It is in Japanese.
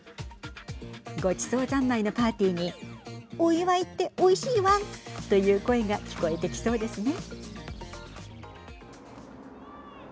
ごちそう三昧のパーティーにお祝いって、おいしいワンという声が聞こえてきそうですね。